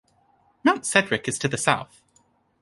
Mount Sedgwick is to the south.